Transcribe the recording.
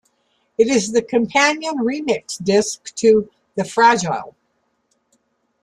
It is the companion remix disc to "The Fragile".